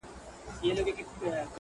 o وه كلي ته زموږ راځي مـلـنگه ككـرۍ،